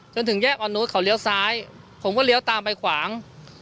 จนถึงแยกอ่อนนุษย์เขาเลี้ยวซ้ายผมก็เลี้ยวตามไปขวาง